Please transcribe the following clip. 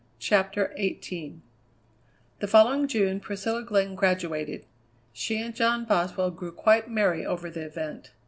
CHAPTER XVIII The following June Priscilla Glenn graduated. She and John Boswell grew quite merry over the event.